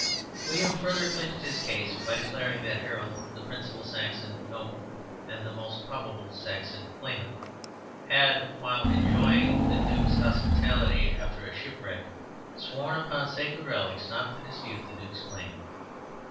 William further clinched his case by declaring that Harold, the principal Saxon noble and the most probable Saxon claimant, had, while enjoying the Duke's hospitality after a shipwreck, sworn upon sacred relics not to dispute the Duke's claim.